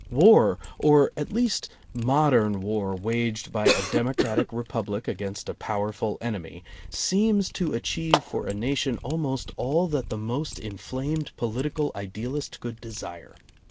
War — or at least modern war waged by a democratic republic against a powerful enemy — seems to achieve for a nation almost all that the most inflamed political idealist could desire.